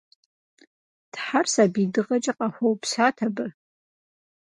Тхьэр сабий дыгъэкӏэ къахуэупсат абы.